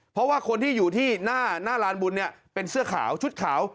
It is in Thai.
เพราะว่าคนที่อยู่ที่หน้าลานบุญเนี่ยเป็นเสื้อขาวชุดขาว